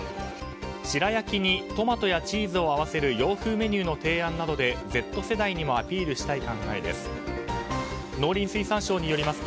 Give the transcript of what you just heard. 白焼きにトマトやチーズを合わせる洋風メニューの提案などでＺ世代にもアピールしたい考えです。